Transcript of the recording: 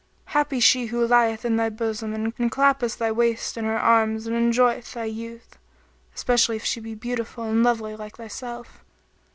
Happy she who lieth in thy bosom and claspeth thy waist in her arms and enjoyeth thy youth, especially if she be beautiful and lovely like thyself!"